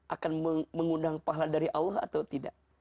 akan mengundang pahala dari allah atau tidak